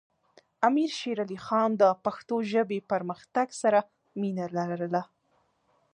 امیر شیر علی خان د پښتو ژبې پرمختګ سره مینه لرله.